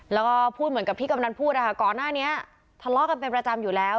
แล้วก็พูดเหมือนกับที่กำนันพูดนะคะก่อนหน้านี้ทะเลาะกันเป็นประจำอยู่แล้ว